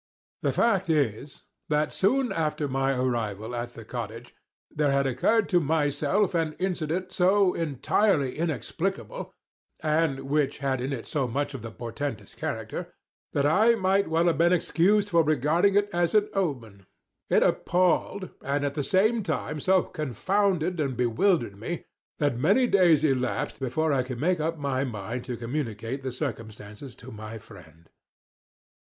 The fact is, that soon after my arrival at the cottage there had occurred to myself an incident so entirely inexplicable, and which had in it so much of the portentous character, that I might well have been excused for regarding it as an omen. It appalled, and at the same time so confounded and bewildered me, that many days elapsed before I could make up my mind to communicate the circumstances to my friend.